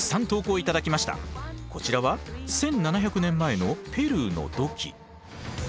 こちらは１，７００年前のペルーの土器。